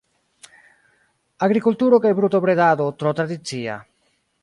Agrikulturo kaj brutobredado tro tradicia.